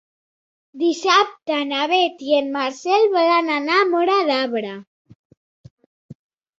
Dissabte na Beth i en Marcel volen anar a Móra d'Ebre.